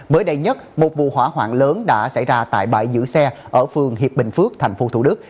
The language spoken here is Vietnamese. mới đây nhất một vụ hỏa hoạn lớn đã xảy ra tại bãi giữ xe ở phường hiệp bình phước tp thủ đức